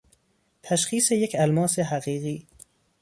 تشخیص یک الماس حقیقی